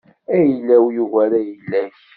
Ayla-w yugar ayla-k.